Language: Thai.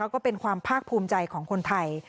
ก็เป็นความภาคภูมิใจของคนไทย